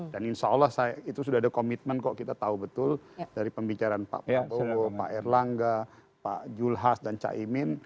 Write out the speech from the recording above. dan insya allah itu sudah ada komitmen kok kita tahu betul dari pembicaraan pak pak powo pak erlangga pak julhas dan pak caimin